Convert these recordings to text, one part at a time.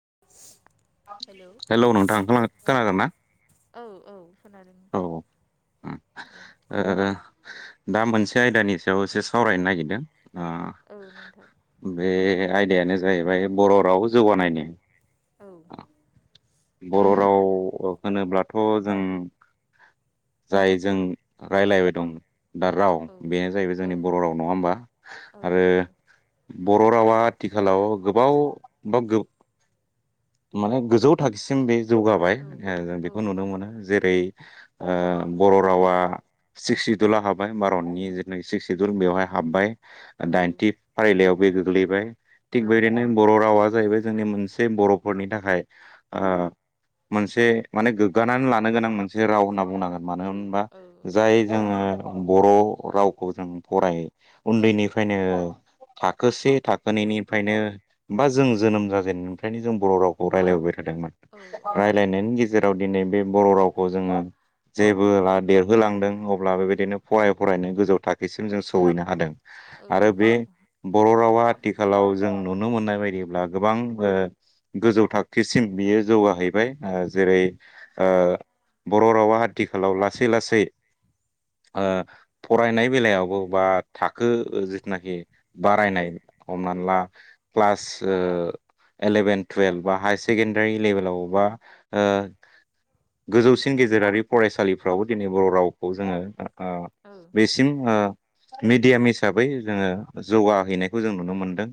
[inaudible] Hello नोंथां खोनागोन ना? औ औ खोनादों औ नोंथां ओ औ। दा मोनसे आयदानि सायाव एसे सावरायनो नागिरदों आ औ नोंथां बे आयदायानो जाहैबाय बर' राव जौगानायनि औ बर' राव होनोब्लाथ' जों जाय जों रायलायबाय दं। दा राव औ बेनो जाहैबाय औ जोंनि बर' राव नङा होमबा आरो। औ बर' रावा आथिखालाव गोबाव बा गोबा माने गोजौ थाखोसिम बे जौगाबाय औ जों औ बेखौ नुनो नंगौ मोनो जेरै ओ बर' रावा सिक्स सिदुलाव हाबबाय भारतनि जिथुनाखि सिक्स सिदुल बेवहाय हाबबाय औ दाइनथि फारिलाइयाव बे गोग्लैबाय औ थिग बेदिनो बर' रावा जाहैबाय। जोंनि मोनसे बर'फोरनि थाखाय ओ मोनसे माने गोग्गानानै लानो गोनां मोनसे राव होनना बुं नांगोन मानो औ होनबा औ जाय जोङो बर' रावखौ जों फराय उन्दैनिफ्रायनो थाखो से थाखोनैनिफ्रायनो बा जों जोनोम जाजेननायनिफ्रायनो जों बर' रावखौ रायलायबोबाय। थादोंमोन औ नंगौ रायज्लायनायनि गेजेराव दिनै बे बर' रावखौ जोङो जेबो औ देरहोलांदों अब्ला बेबायदिनो फराय फरायनो गोजौ थाखोसिम जों सौहैनो हादों। औ आरो औ बे बर' रावा आथिखालाव जों नुनो मोननाय बायदिब्ला गोबां ओ गोजौ थाखो सिम बियो जौगाहैबाय आ जेरै फि बर' रावा आथिखालाव लासै लासै ओ फरायनाय बेलायावबो बा थाखो जिथुनाखि बारायनाय हमनानै ला औ क्लास ओ इलेभेन टुवेल्भ बा हाय सेकेणडारि लेभेलाव बा ओ गोजौसिन गेजेरारि फरायसालिफ्रावबो दिनै बर' रावखौ जोङो ओ औ औ नंगौ औ बेसिम ओ मिडियाम हिसाबै जोङो जौगाहैनायखौ जों नुनो मोनदों।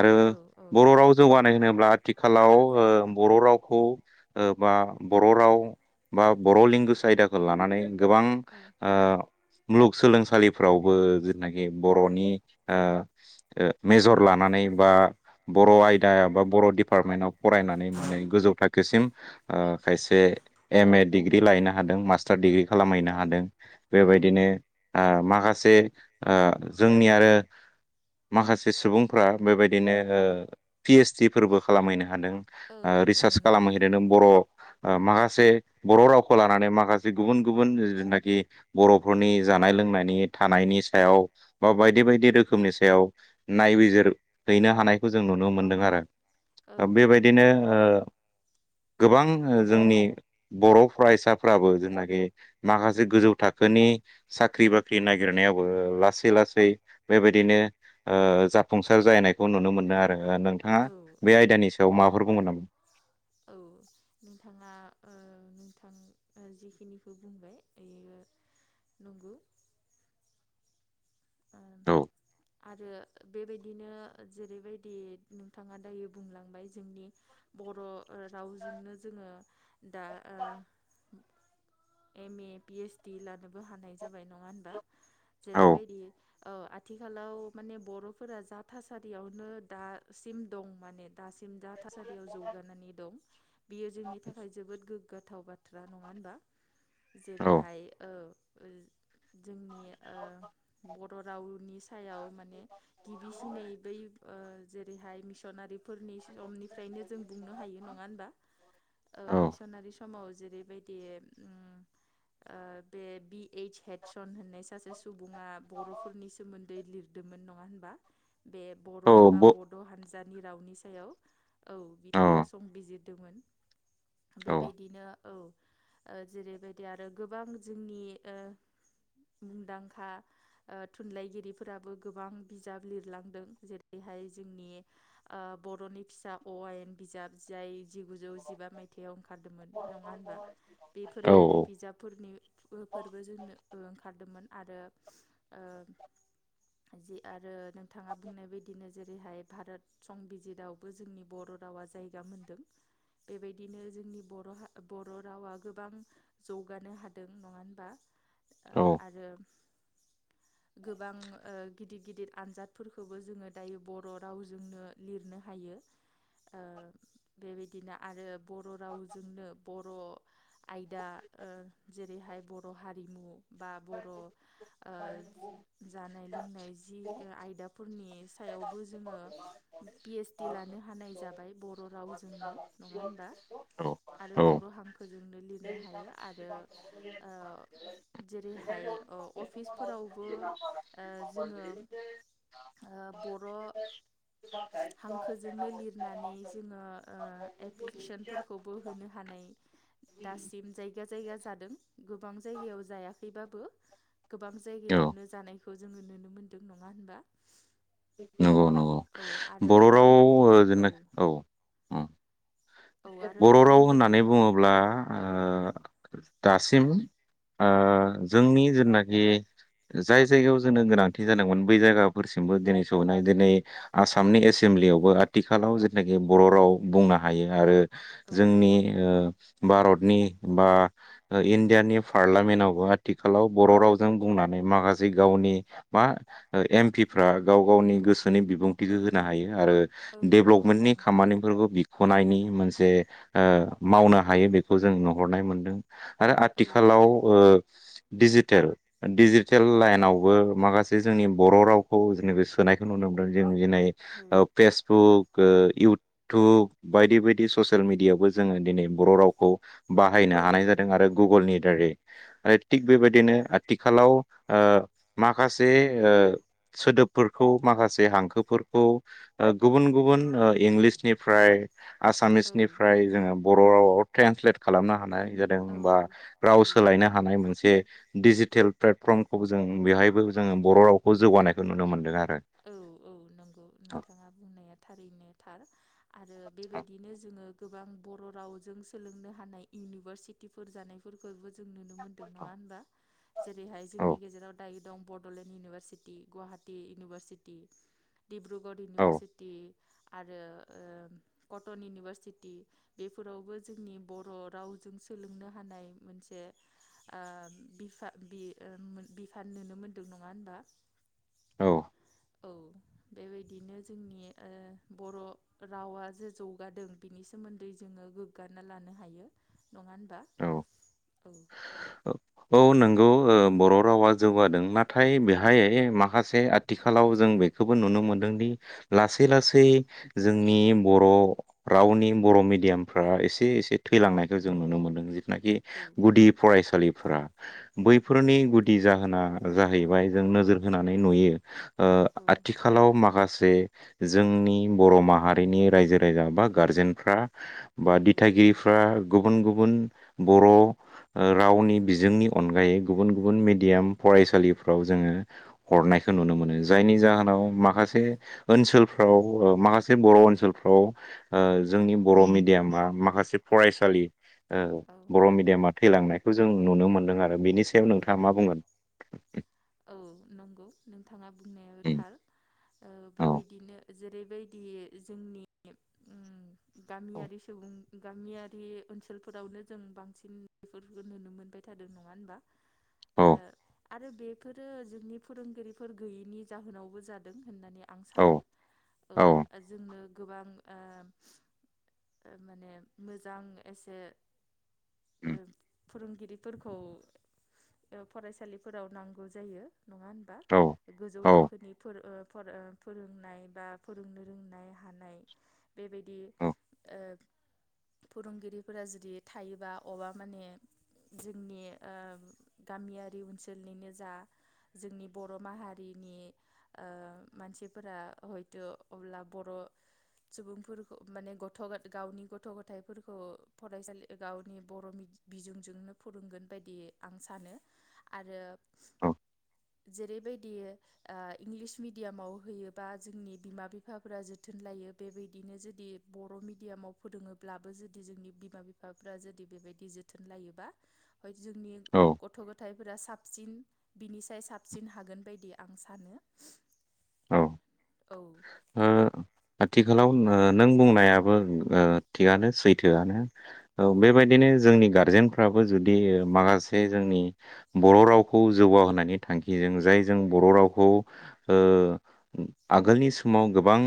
आरो औ बर' राव जौगानाय होनोब्ला आथिखालाव ओ बर' रावखौ बा बर' राव बा बर' लेंगुवेज आयदाखौ लानानै गोबां ओ मुलुगसोलोंसालिफ्रावबो जेनाखि बर'नि ओ ओ मेजर लानानै बा बर' आयदाया बा बर' डिपार्टमेन्टआव फरायनानै माने गोजौ थाखो -खोसिम ओ खायसे एम ए डिग्रि लायैनो हादों मास्टार डिग्रि खालामहैनो हादों। बेबायदिनो ओ माखासे ओ जोंनि आरो माखासे सुबुंफ्रा बेबायदिनो पि ओइस डि फोरबो खालामहैनो हा हादों ओ रिचार्स खालामहैदों बर' ओ माखा से बर' रावखौ लानानै माखासे गुबुन गुबुन जिनाखि बर'फोरनि जानाय लोंनायनि थानायनि सायाव बा बायदि बायदि रोखोमनि सायाव नायबिजिर हैनो हानायखौ जों नु नो मोनदों आरो। बेबायदिनो ओ गोबां जोंनि बर' फरायसाफ्राबो जेनाखि माखासे गोजौ थाखो नि साख्रि बाख्रि नागिरनायावबो लासै लासै बेबायदिनो ओ जा फुंसार जायैनायखौ नुनो मोनो आरो नोंथाङा बे औ औ आयदानि सायाव माबाफोर बुंगोन नामा? औ नोंथाङा जिखिनिखौ बुंबाय बे नंगौ। औ आरो बेबायदिनो जेरैबायदि नोंथाङा दायो बुंलांबाय जोंनि [inaudible] [inaudible] एम ए पि एसडि लानोबो हानाय जाबाय नङा होनबा? औ जेरैबायदि औ आथिखालाव माने बर'फोरा जा थासारियावनो दासिम दं माने दासिम जा थासारियाव जौगानानै दं बियो जोंनि थाखाय जोबोद गोग्गाथाव बाथ्रा नङा होनबा? औ जेरैहाय ओ जोंनि ओ बर' रावनि सायाव माने गिबिसिनै बै ओ जेरैहाय मिसनारि बेफोरनि समनिफ्रायनो जों बुंनो हायो नङा होमबा? औ ओ मिसनारि समाव जेरैबायदि ओ ओ बे बि स हेदसन होननाय सासे सुबुङा बर'फोरनि सोमोन्दै लिरदोंमोन नङा होनबा? बे औ बर' एबा ब बड' हानजानि नि रावनि सायाव औ बिथाङा संबिजिरदोंमोन औ बेबायदिनो औ ओ जेरैबायदि आरो गोबां जोंनि ओ मुंदांखा ओ थुनलाइगिरिफोराबो गोबां बिजाब लिरलांदों जेरैहाय जोंनि ओ बर'नि फिसा अ आयेन बिजाब जाय जिगुजौ जिबा मायथाइाव ओंखारदोंमोन नङा होनबा? औ बेफोरबायदि बिजाबफोरनि फोरबो जोंनो ओंखारदोंमोन आरो ओ जि आरो नोंथाङा बुंनाय बायदिनो जेरैहाय भारत संबिजितआवबो जोंनि बर' रवा जायगा मोन्दों। बेबायदिनो जोंनि बर' बर' रावा गोबां जौगानो हादों नङा होनबा? ओ औ आरो गोबां ओ गिदिर गिदिर आनजादफोरखौबो जोङो दायो बर' रावजोंनो लिर नो हायो। ओ [inaudible] बेबायदिनो आरो बर' रावजोंनो बर' आयदा ओ जेरैहाय बर' हारिमु बा बर' ओ जानाय लोंनाय जि आयदाफोरनि सायावबो जोङो पि एइस डि लानो हानाय जाबाय बर' रावजोंनो नङा होनबा? औ आरो औ बर' हांखोजोंनो लिर नों हायो आरो ओ जेरैहाय अ अफिस फोरावबो ओ जोङो ओ बर' हां खोजोंनो लिरनानै जोङो ओ एप्लिकेसनफोरखौबो होनो हानाय दासिम जायगा जायगा जादों गोबां जायगायाव जायाखैबाबो। गोबां जायगायावनो जानायखौ जोङो नुनो मोनदों नङा होनबा? नंगौ नंगौ औ आरो बर' गोबां राव गिदिर [unintelligible] जना औ उम औ आरो बर' गोबां राव गिदिर होननानै गिदिर बुङोब्ला औ औ ओ दासिम ओ जोंनि जेनाखि जाय जायगायाव जोंनो गोनांथि जादोंमोन बै जायगाफोरसिमबो दिनै सहैनाय दिनै आसामनि एसेम म्लि आयावबो आथिखालाव जेथनाखि बर' राव बुंनो हायो आरो औ जोंनि ओ भारतनि बा इण्डियानि पारलिमेन्टआवबो आथिखालाव बर' रावजों बुंनो माखासे गावनि मा एम पिफ्रा गाव गावनि गोसोनि बिबुंथिखौ होनो हायो आरो औ औ डेभ्लपमेन्टनि नंगौ खामानिफोरखौ बिख'नायनि मोनसे ओ मावनो हायो बेखौ जों नुहरनाय मोनदों आरो औ आथिखालाव ओ दिडिजिटेल दिडिजिटेल औ लाइनावबो माखासे जोंनि बर' रावखौ जोंनि बे सोनायखौ नुनो मोनदों जों दिनै औ ओ फेसबुक ओ इउटुब बायदि बायदि ससियेल मिडियआवबो जोङो दिनै बररावखौ बाहायनो हानाय जादों आरो गुगोलनि दारै आरो थिग बेबायदिनो आथिखालाव ओ माखासे ओ सोदोबफोर खौ माखासे हांखोफोरखौ ओ गुबुन गुबुन ओ इंलिसनिफ्राय सोलोंथाइनिफ्राय आसामिसनिफ्राय जोङो बर रावाव ट्रेन्सलेट खालामनो हानाय जादों बा राव हानाय सोलायनो हानाय मोनसे दिडिजिटेल प्लेटफर्मखौबो जों बेवहायबो जोङो बर रावखौ जौगानायखौ नुनो मोन्दों आरो। औ औ नंगौ औ नोंथाङा बुंनाया थारैनो थार। आरो बेबायदिनो जोङो गोबां बर रावजों सोलोंनो हानाय इउनिभारसिटिफोर जानायफोरखौबो जों नुनो मोनदों नङा होनबा जेरैहाय औ जोंनि गेजेराव दायो दं। बडलेण्ड इउनिभारसिटि, गुवाहाटिी इउनिभारसिटि, डिब्रुगड़ औ इउनिभारसिटि आरो ओ कटन इउनिभारसिटि बेफोरावबो जोंनि बर राव जों सोलोंनो हानाय मोनसे आ बिफा बि ओ बिफान नुनो मोनदों नङा होनबा। औ औ बेबायदिनो जोंनि ओ बर रावा जे जौगादों बिनि सोमोन्दै जोङो गोग्गाना लानो हायो नङा होनबा। औ औ औ नोंगौ ओ बर रावा जौगादों नाथाय बेहाय माखासे आथिखालाव जों बे खौबो नुनो मोनदोंदि लासै-लासै जोंनि बर रावनि बर मिडियामफ्रा एसे एसे थैलांनायखौ जों नुनो मोनदों। नाखि औ गुदि फरायसालिफोरा बैफोरनि गुदि जाहोना जाहैबाय जों नोजोर होनानै नुयो ओ औ आथिखालाव माखासे जोंनि बर माहारिनि रायजो राजा बा गारजेनफ्रा बा दिथागिरिफ्रा गुबुन गुबुन बर' रावनि बिजोंनि अनगायै गुबुन गुबुन मेडियाम फरायसालिफ्राव जोङो हरनाय खौ नुनो मोनो जायनि जाहोनाव माखासे ओनसोलफ्राव ओ माखासे बर' ओनसोलफ्राव ओ जोंनि बर मिडियामा माखासे फरायसालि ओ औ खौ जों नुनो मोनदों आरो बेनि सायाव औ नोंथाङा मा बुंगोन? औ नंगौ नोंथाङा बुंनायाबो उम थार। ओ औ बेबायदिनो जेरैबायदि जोंनि उम गामियारि सुबुं गामियारि ओनसोलफोरावनो जों बांसिन बेफोरखौ नुनो मोनबाय थादों नङा होनबा। औ ओ आरो बेफोरो जोंनि फोरोंगिरिफोर गैयैनि जाहोनावबो जादों। होननानै आं औ सानो औ ओ जोंनो गोबां ओ माने मोजां एसे ओ उम फोरोंगिरिफोरखौ ओ फरायसालिफोराव नांगौ जायो नङा होनबा औ गोजौ औ थाखोनि फोर ओ ओ फोरोंनाय बा फोरोंनो रोंनाय हानाय बेबायदि ओ फोरोंगिरिफोरा जुदि थायोबा अबेबा माने जोंनि ओ गामियारि ओनसोलनिनो जा जोंनि बर माहारिनि ओ मानसिफोरा हयथ अब्ला बर' सुबुंफोरखौ माने गथ गावनि गथ-गथायाइफोरखौ फरायसालि गावनि बर मि बिजोंजोंनो फोरोंगोन बायदि आं सानो आरो [inaudible] जेरैबायदि इंलिस ओ मिडियामाव होयोबा जोंनि बिमा बिफाफोरा जोथोन लायो। बेबायदिनो जुदि बर मिडियामाव फोरोङोब्लाबो जुदि जोंनि बिमा बिफाफ्रा जुदि बेबायदि जोथोन लायोबा जोंनि औ गथ-गथथायफोरा साबसिन बिनिसाय साबसिन हागोन बायदि आं सानो औ औ ओ आथिखालाव नों बुंनायाबो ओ थिगानो सैथोआनो औ बेबायदिनो जोंनि गा गारजेनफ्राबो जुदि माखासे जोंनि बर' रावखौ जौगााहोनायनि थांखिजों जाय जों बर' रावखौ ओ आगोलनि सो माव गोबां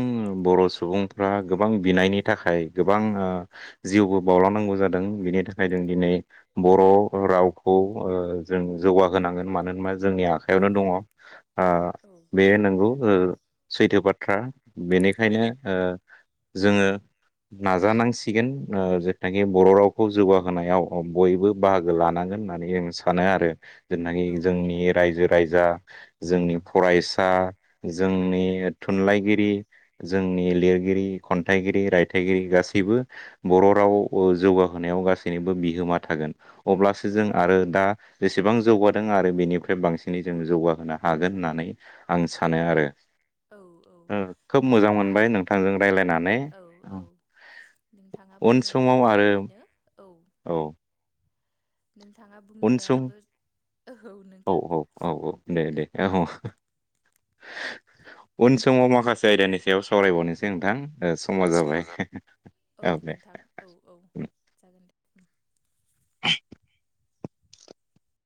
खालामनांगौ जादों बेनि थाखाय जों दिनै बर' रावखौ जों जौगाहोनांगोन मानो होनबा जोंनि आखायावनो दङ ओ बे नंगौ ओ सैथो बाथ्रा बेनिखायनो ओ जोङो नाजानांसिगोन ओ जेनाखि बर' रावखौ जौगाहोनायाव बयबो बाहागो लानांगो गोन होननानै जों सानो आरो जेनाखि जोंनि रायजो राजा जोंनि फरायसा जोंनि थुनलाइगिरि जोंनि लिरगिरि खन्थाइगिरि रायथाइगिरि गासैबो बर' राव आव जौगाहोनायाव गासैनिबो बिहोमा थागोन अब्लासो औ जों आरो दा जेसेबां जौगादों आरो बेनिफ्राय बांसिनै जों जौगाहोनो हागोन होननानै आं सानो आरो औ औ खोब मोजां नोंथाङा मोनबाय औ नोंथांजों रायज्लायनानै औ औ नोंथाङा उन बुंनायाबो समाव आरो थारैनो औ औ नोंथाङा उन सम बुंनायाबो औ औ औ औ दे दे औ उन समाव माखासे आयदानि सायाव सावरायबावनोसै नोंथां ओ समाव जाबाय औ औ दे नोंथां औ औ [inaudible]